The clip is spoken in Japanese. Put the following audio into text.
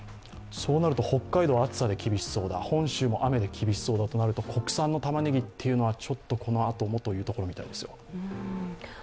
そうなると北海道は暑さで厳しそうだ、本州も雨で厳しそうとなると国産のたまねぎというのは、このあともというところですか？